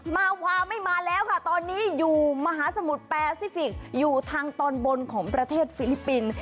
มาวาไม่มาแล้วค่ะตอนนี้อยู่มหาสมุทรแปซิฟิกอยู่ทางตอนบนของประเทศฟิลิปปินส์